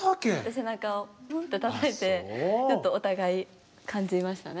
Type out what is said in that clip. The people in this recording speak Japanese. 背中をポンってたたいてちょっとお互い感じましたね。